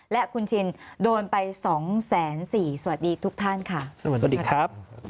และคุณชินโดนไปสองแสนสี่สวัสดีทุกท่านค่ะสวัสดีครับ